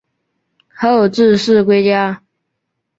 后致仕归家。